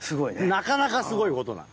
なかなかすごいことなの。